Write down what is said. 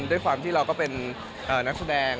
ด้วยความที่เราก็เป็นนักแสดง